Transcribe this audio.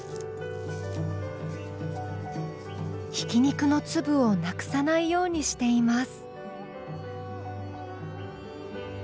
ひき肉の粒をなくさないようにしています。